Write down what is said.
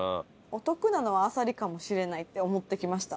お得なのはあさりかもしれないって思ってきました。